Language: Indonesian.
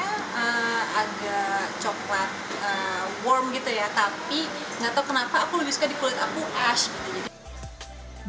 tapi gak tau kenapa aku lebih suka di kulit aku ash